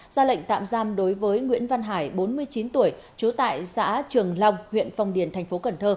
ra lệnh tạm giam đối với nguyễn văn hải bốn mươi chín tuổi chú tại xã trường long huyện phong điền tp cn